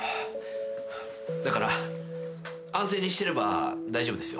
だから安静にしてれば大丈夫ですよ。